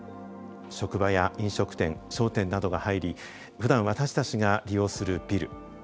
職場や飲食店、商店などが入りふだん私たちが利用するビル。